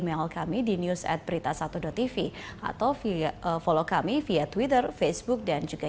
meal kami di news ad berita satu tv atau via follow kami via twitter facebook dan juga